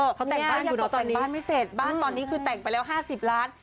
แต่ว่ายังบอกตอนนี้บ้านไม่เสร็จบ้านตอนนี้คือแต่งไปแล้ว๕๐ล้าน